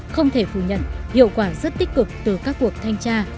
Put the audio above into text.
không thể phủ nhận hiệu quả rất tích cực từ các cuộc thanh tra